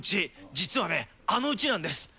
実はね、あのうちなんです。